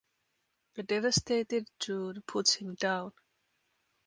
A devastated June puts him down.